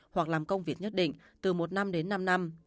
hoặc làm công việc nhất định từ một năm đến năm năm